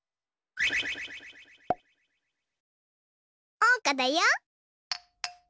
おうかだよ！